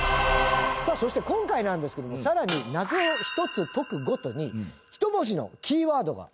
さあそして今回なんですけどもさらに謎を１つ解くごとに１文字のキーワードが出てくるんですね。